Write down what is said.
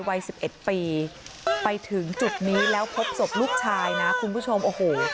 วัยสิบเอ็ดปีไปถึงจุดนี้แล้วพบศพลูกชายนะคุณผู้ชมโอ้โห